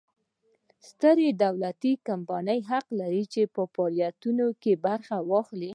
سترې دولتي کمپنۍ حق لري په فعالیتونو کې برخه واخلي.